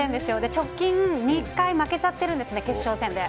直近２回負けちゃってるんですね、決勝戦で。